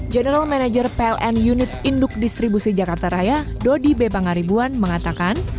general manager pln unit induk distribusi jakarta raya dodi b pangaribuan mengatakan